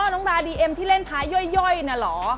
น้องดาดีเอ็มที่เล่นท้ายย่อยน่ะเหรอ